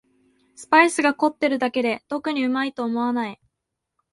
スパイスが凝ってるだけで特にうまいと思わない